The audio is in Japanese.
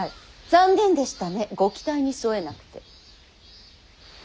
残念でしたねご期待に沿えなくて。